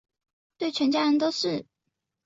对全家人都是